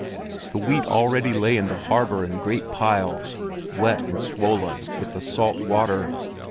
The wheat already lay in the harbor in great piles, wet and swollen with the salt water.